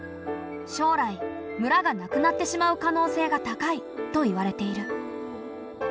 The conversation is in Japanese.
将来村がなくなってしまう可能性が高いといわれている。